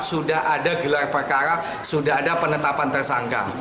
sudah ada gelar perkara sudah ada penetapan tersangka